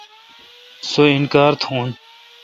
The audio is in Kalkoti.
سو انکار تھون۔